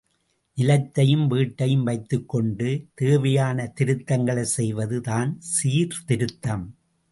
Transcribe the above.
நிலத்தையும், வீட்டையும் வைத்துக்கொண்டு தேவையான திருத்தங்களைச் செய்வது தான் சீர்திருத்தம்.